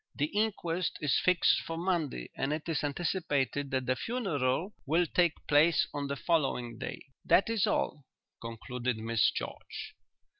"'The inquest is fixed for Monday and it is anticipated that the funeral will take place on the following day.'" "That is all," concluded Miss George.